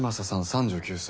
３９歳。